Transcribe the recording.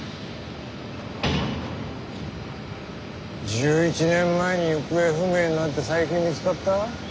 １１年前に行方不明になって最近見つかった？